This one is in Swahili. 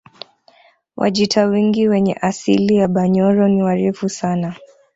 Wajita wengi wenye asili ya Banyoro ni warefu sana